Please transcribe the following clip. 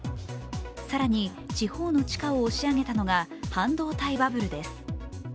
更に地方の地価を押し上げたのが半導体バブルです。